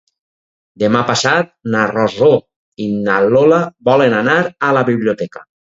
Demà passat na Rosó i na Lola volen anar a la biblioteca.